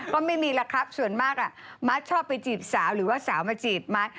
ก็ไม่มีแล้วครับส่วนมากมัดชอบไปจีบสาวหรือว่าสาวมาจีบมัด